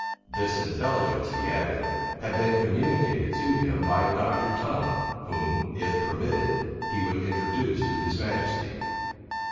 This intelligence, he added, had been communicated to him by Dr. Tongue, whom, if permitted, he would introduce to his majesty.